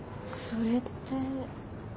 それって。